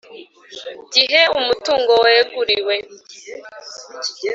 gihe umutungo weguriwe